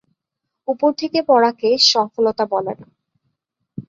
উপর থেকে পড়াকে সফলতা বলে না।